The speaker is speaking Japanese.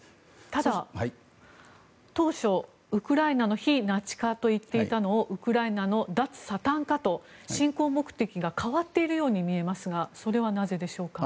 ただ当初、ウクライナの非ナチ化といっていたのをウクライナの脱サタン化と侵攻目的が変わっているように見えますがそれはなぜでしょうか。